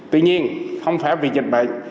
tuy nhiên không phải vì dịch bệnh